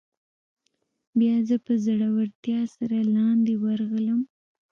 بیا زه په زړورتیا سره لاندې ورغلم.